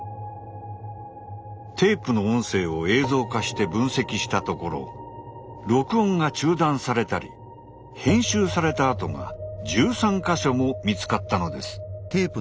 テープの音声を映像化して分析したところ録音が中断されたり編集された跡が１３か所も見つかったのです。